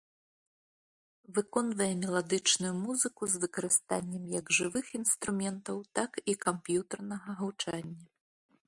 Выконвае меладычную музыку з выкарыстаннем як жывых інструментаў, так і камп'ютарнага гучання.